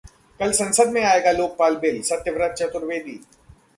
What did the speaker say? कल संसद में आएगा लोकपाल बिल: सत्यव्रत चतुर्वेदी